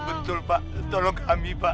betul pak tolong kami pak